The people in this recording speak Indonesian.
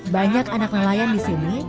banyak anak nelayan di sini